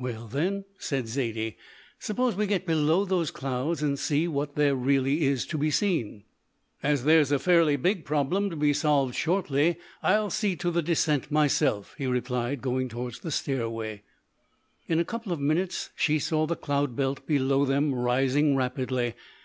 "Well, then," said Zaidie, "suppose we get below those clouds and see what there really is to be seen." "As there's a fairly big problem to be solved shortly I'll see to the descent myself," he replied, going towards the stairway. In a couple of minutes she saw the cloud belt below them rising rapidly.